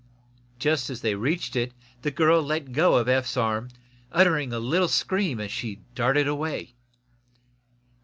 Just as they reached it the girl let go of Eph's arm, uttering a little scream as she darted away.